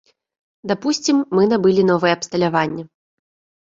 Дапусцім, мы набылі новае абсталяванне.